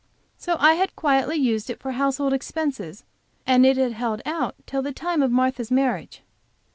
So I had quietly used it for household expenses, and it had held out till about the time of Martha's marriage.